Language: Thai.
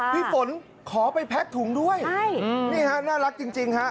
พี่ฝนขอไปแพ็กถุงด้วยนี่ฮะน่ารักจริงฮะ